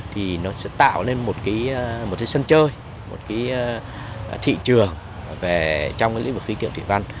thì nó sẽ tạo lên một cái sân chơi một cái thị trường trong cái lĩnh vực khí tượng thủy văn